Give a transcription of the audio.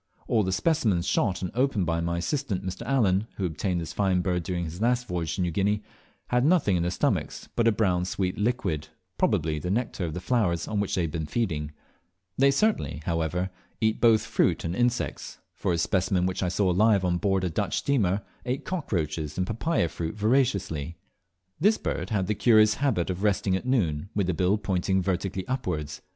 All the specimens shot and opened by my assistant Mr. Allen, who obtained this fine bird during his last voyage to New Guinea, had nothing in their stomachs but a brown sweet liquid, probably the nectar of the flowers on which they had been feeding. They certainly, however, eat both fruit and insects, for a specimen which I saw alive on board a Dutch steamer ate cockroaches and papaya fruit voraciously. This bird had the curious habit of resting at noon with the bill pointing vertically upwards.